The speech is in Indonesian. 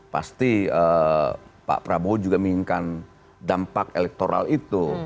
pasti pak prabowo juga menginginkan dampak elektoral itu